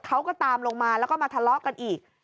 เขาก็ตามลงมาแล้วก็มาทะเลาะกันอีก